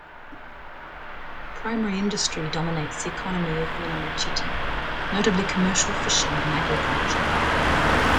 Primary industry dominates the economy of Minamichita, notably commercial fishing and agriculture.